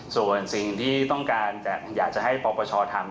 ส่วนสิ่งที่ต้องการจะอยากจะให้ปปชทำ